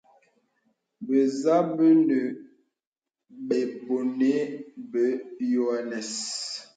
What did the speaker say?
Bə̀ zə bə nə bə̀bònè bə yoanɛ̀s.